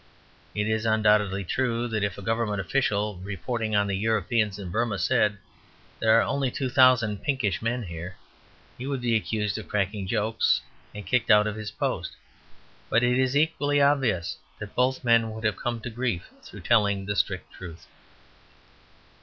It is undoubtedly true that if a Government official, reporting on the Europeans in Burmah, said, "There are only two thousand pinkish men here" he would be accused of cracking jokes, and kicked out of his post. But it is equally obvious that both men would have come to grief through telling the strict truth.